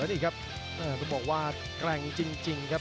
นี่ครับต้องบอกว่าแกร่งจริงครับ